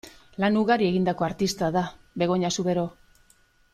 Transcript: Lan ugari egindako artista da Begoña Zubero.